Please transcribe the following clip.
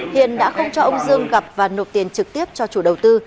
hiền đã không cho ông dương gặp và nộp tiền trực tiếp cho chủ đầu tư